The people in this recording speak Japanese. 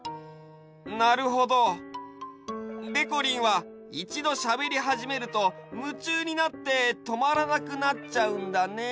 なるほど。でこりんはいちどしゃべりはじめるとむちゅうになってとまらなくなっちゃうんだね。